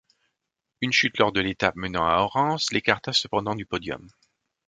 Une chute lors de l'étape menant à Orense l'écarta cependant du podium.